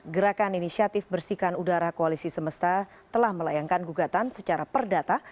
gerakan inisiatif bersihkan udara koalisi semesta telah melayangkan gugatan secara perdata